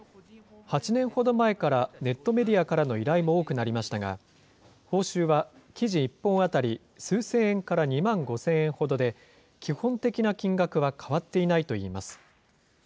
８年ほど前からネットメディアからの依頼も多くなりましたが、報酬は記事１本当たり数千円から２万５０００円ほどで、基本的な金額は変わっていないといいます。